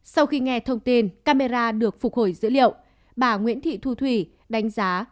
sau khi nghe thông tin camera được phục hồi dữ liệu bà nguyễn thị thu thủy đánh giá